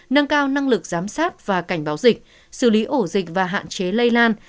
nâng cao năng lực giám sát và cảnh báo dịch xử lý ổ dịch và hạn chế lây lan